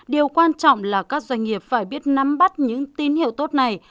điều quan trọng là các doanh nghiệp phải biết nắm bắt những tin hiệu tốt này